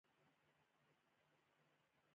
یوه ازاده کمیټه قوانین ټاکي.